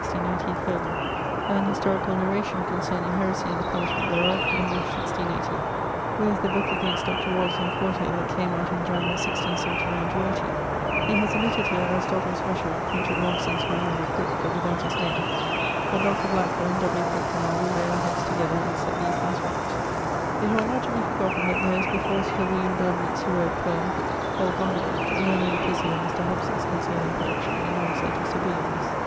1680, folio. An historicall narration concerning heresie and the punishment thereof, English, 1680. [Where is the book against Dr. Wallis in 4to that came out in Jan. 1679/80?]. He haz omitted here Aristotel's Rhetorique, printed long since by Andrew Crooke, but without his name; but Dr. Blackburne, W. Crooke, and I will lay our heads together and sett these things right. ☞ It ought not to be forgotten that there is before Sir William Davenant's heroique poem called Gondibert, a learned epistle of Mr. Hobbes's concerning poetrie, in answer to Sir William's.